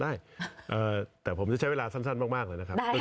ได้แต่ผมจะใช้เวลาสั้นมากเลยนะครับ